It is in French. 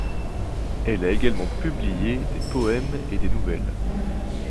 Elle a également publié des poèmes et des nouvelles.